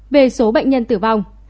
về số bệnh nhân tử vong